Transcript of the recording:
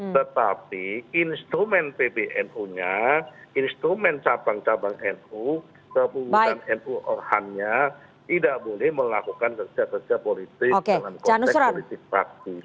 tetapi instrumen pbnu nya instrumen cabang cabang nu kepengurusan nu orhannya tidak boleh melakukan kerja kerja politik dalam konteks politik praktis